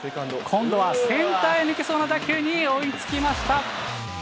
今度はセンターへ抜けそうな打球に追いつきました。